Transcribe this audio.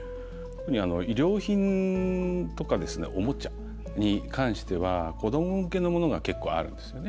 衣料品とかおもちゃに関しては子ども向けのものが結構あるんですよね。